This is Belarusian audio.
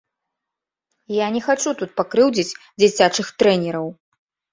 Я не хачу тут пакрыўдзіць дзіцячых трэнераў.